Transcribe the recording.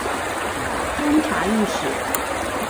拜监察御史。